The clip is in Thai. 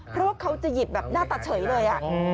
เพราะว่าเขาจะหยิบแบบหน้าตาเฉยเลย